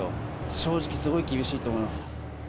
正直すごい厳しいと思います。